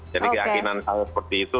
jadi keyakinan saya seperti itu